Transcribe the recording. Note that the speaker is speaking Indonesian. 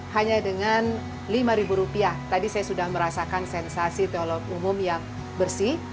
hanya dengan lima ribu rupiah tadi saya sudah merasakan sensasi toilet umum yang bersih